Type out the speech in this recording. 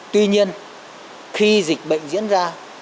tuy nhiên khi dịch bệnh diễn ra